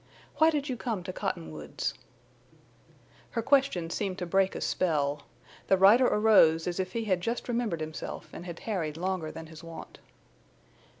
"Why did you come to Cottonwoods?" Her question seemed to break a spell. The rider arose as if he had just remembered himself and had tarried longer than his wont.